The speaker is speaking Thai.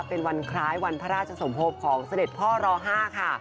เป็นวันคล้ายวันพระราชสมภพของเสด็จพ่อรอ๕ค่ะ